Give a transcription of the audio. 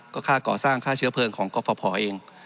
ก็ค่าก่อสร้างค่าเชื้อเพลิงของกรฟภเอง